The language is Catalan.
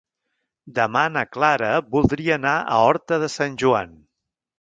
Demà na Clara voldria anar a Horta de Sant Joan.